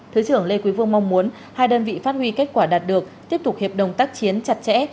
thứ trưởng lê quý vương mong muốn hai đơn vị phát huy kết quả đạt được tiếp tục hiệp đồng tác chiến chặt chẽ